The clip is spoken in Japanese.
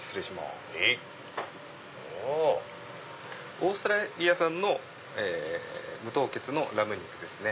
オーストラリア産の無凍結のラム肉ですね。